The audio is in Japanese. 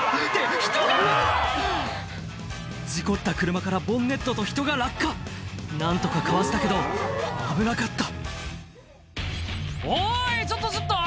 人が⁉事故った車からボンネットと人が落下何とかかわしたけど危なかったおいちょっとちょっと？